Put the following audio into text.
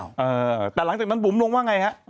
เออแต่หลังจากนั้นบุ๋มลงว่าไงฮะ